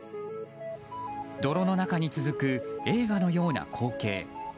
泥の中に続く映画のような光景。